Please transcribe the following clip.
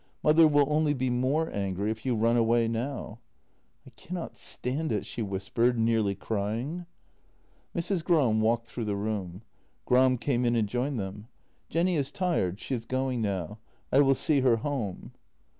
Mother will only be more angry if you run away now." " I cannot stand it," she whispered, nearly crying. Mrs. Gram walked through the room. Gram came in and joined them. " Jenny is tired; she is going now. I will see her home."